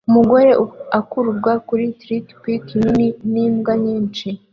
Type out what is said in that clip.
Umugore akururwa kuri trikipiki nini n'imbwa nyinshi